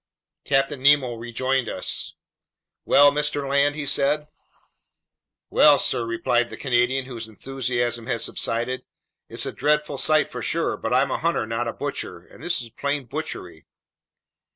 Captain Nemo rejoined us. "Well, Mr. Land?" he said. "Well, sir," replied the Canadian, whose enthusiasm had subsided, "it's a dreadful sight for sure. But I'm a hunter not a butcher, and this is plain butchery."